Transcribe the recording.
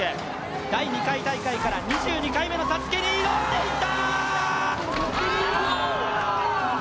第２回大会から２２回目のＳＡＳＵＫＥに挑んでいった。